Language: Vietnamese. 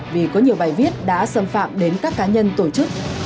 vì có nhiều bài viết đã xâm phạm đến các cá nhân tổ chức